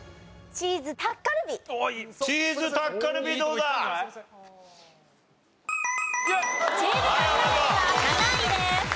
チーズタッカルビは７位です。